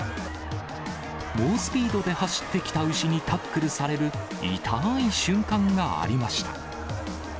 猛スピードで走ってきた牛にタックルされる、痛ーい瞬間がありました。